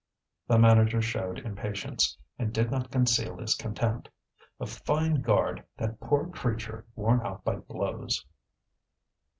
The manager showed impatience, and did not conceal his contempt. A fine guard, that poor creature worn out by blows!